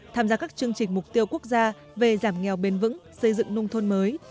tham gia các chương trình mục tiêu quốc gia về giảm nghèo bền vững xây dựng nông thôn mới